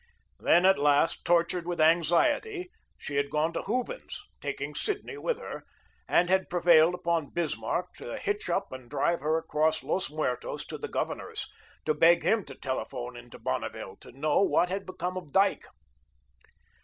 Then, at last, tortured with anxiety, she had gone to Hooven's, taking Sidney with her, and had prevailed upon "Bismarck" to hitch up and drive her across Los Muertos to the Governor's, to beg him to telephone into Bonneville, to know what had become of Dyke.